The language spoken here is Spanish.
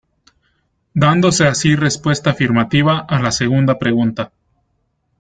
Dándose así respuesta afirmativa a la segunda pregunta.